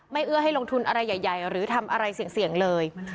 เอื้อให้ลงทุนอะไรใหญ่หรือทำอะไรเสี่ยงเลย